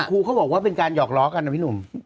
ครูเขาบอกว่าเป็นการหอกล้อกันนะพี่หนุ่ม